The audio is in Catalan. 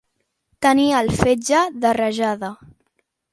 Tenir el fetge de rajada.